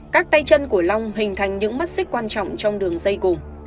các tay chân của long hình thành những mắt xích quan trọng trong đường dây cùng